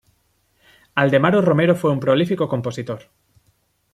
Aldemaro Romero fue un prolífico compositor.